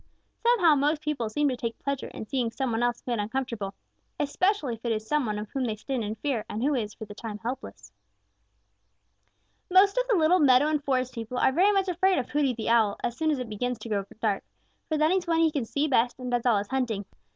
Somehow most people seem to take pleasure in seeing some one else made uncomfortable, especially if it is some one of whom they stand in fear and who is for the time being helpless. Most of the little meadow and forest people are very much afraid of Hooty the Owl as soon as it begins to grow dark, for that is when he can see best and does all his hunting.